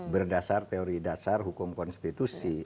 berdasar teori dasar hukum konstitusi